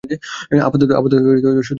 আপাতত, শুধু ঘুমাতে যান।